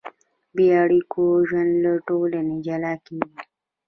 بېاړیکو ژوند له ټولنې جلا کېږي.